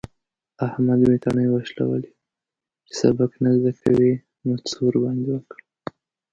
په احمد مې تڼۍ وشلولې. چې سبق نه زده کوي؛ نو څه ورباندې وکړم؟!